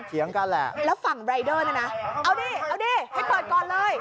เถียงกันแหละแล้วฝั่งรายเดอร์เนี่ยนะเอาดิเอาดิให้เปิดก่อนเลย